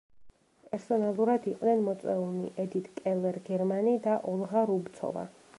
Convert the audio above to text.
პერსონალურად იყვნენ მოწვეულნი: ედიტ კელერ-გერმანი და ოლღა რუბცოვა.